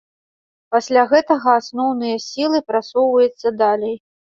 Пасля гэтага асноўныя сілы прасоўваюцца далей.